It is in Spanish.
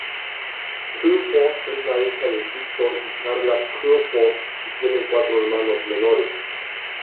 Crawford es la hija de Víctor y Carla Crawford y tiene cuatro hermanos menores.